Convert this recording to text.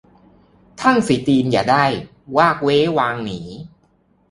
ท่านสี่ตีนอย่าได้ วากเว้วางหนี